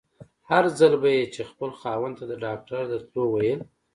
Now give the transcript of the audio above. هر ځل به يې چې خپل خاوند ته د ډاکټر د تلو ويل.